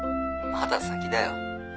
まだ先だよ。